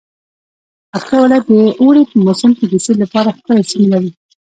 پکتيا ولايت د اوړی موسم کی د سیل لپاره ښکلی سیمې لری